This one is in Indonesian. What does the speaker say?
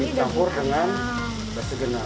sudah dicampur dengan basa genal